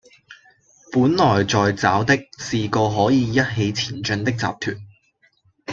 本來在找的是個可以一起前進的集團